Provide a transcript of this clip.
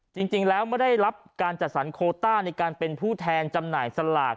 จริงแล้วไม่ได้รับการจัดสรรโคต้าในการเป็นผู้แทนจำหน่ายสลาก